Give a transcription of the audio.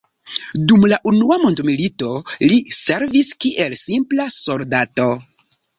Dum la unua mondmilito li servis kiel simpla soldato.